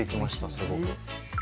すごく。